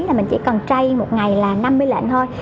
là mình chỉ cần tray một ngày là năm mươi lệnh thôi